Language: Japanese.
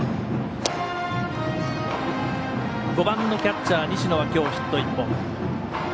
５番のキャッチャー西野はきょうヒット１本。